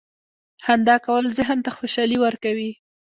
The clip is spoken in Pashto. • خندا کول ذهن ته خوشحالي ورکوي.